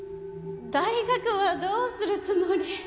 大学はどうするつもり？